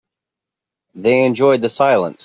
They enjoyed the silence.